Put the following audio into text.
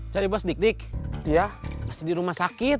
jadi bos dik dik dia masih di rumah sakit